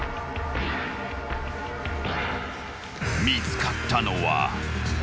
［見つかったのは］